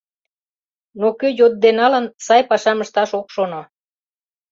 Но кӧ йодде налын, сай пашам ышташ ок шоно...